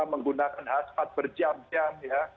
menggunakan haspat berjam jam ya